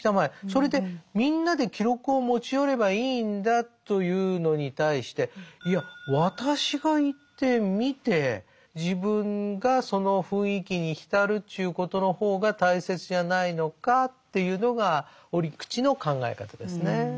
それでみんなで記録を持ち寄ればいいんだというのに対していや私が行って見て自分がその雰囲気に浸るっちゅうことの方が大切じゃないのかっていうのが折口の考え方ですね。